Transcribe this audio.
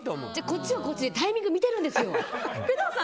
こっちはこっちでタイミング見てるんですよ。